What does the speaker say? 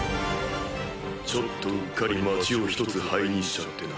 ちょっとうっかり街を１つ灰にしちゃってな。